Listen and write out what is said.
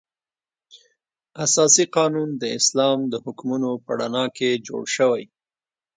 اساسي قانون د اسلام د حکمونو په رڼا کې جوړ شوی.